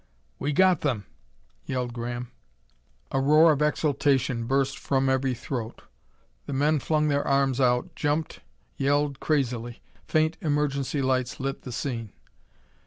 "We got them!" yelled Graham. A roar of exultation burst from every throat. The men flung their arms out, jumped, yelled crazily. Faint emergency lights lit the scene.